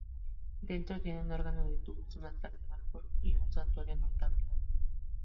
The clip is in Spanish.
Dentro tiene un órgano de tubos, un altar de mármol y un santuario notable.